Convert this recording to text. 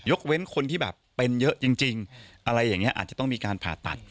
เว้นคนที่แบบเป็นเยอะจริงอะไรอย่างนี้อาจจะต้องมีการผ่าตัด